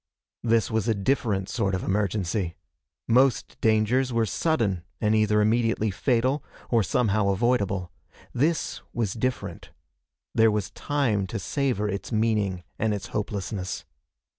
This was a different sort of emergency. Most dangers were sudden and either immediately fatal or somehow avoidable. This was different. There was time to savor its meaning and its hopelessness.